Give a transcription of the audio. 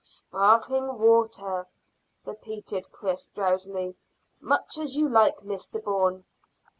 "Sparkling water," repeated Chris drowsily. "Much as you like, Mr Bourne."